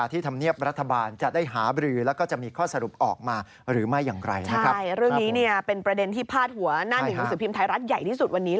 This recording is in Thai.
ไทยรัฐใหญ่ที่สุดวันนี้เลยนะครับ